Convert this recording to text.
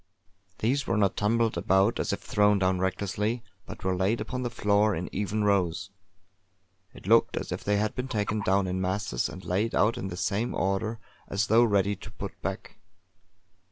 These were not tumbled about as if thrown down recklessly, but were laid upon the floor in even rows. It looked as if they had been taken down in masses and laid out in the same order as though ready to put back.